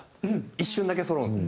一瞬だけそろうんですよ。